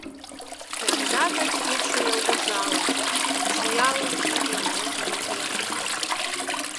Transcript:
Янда гай кӱчшӧ йылгыжалын, чиялын ӱдыр ош вургемым.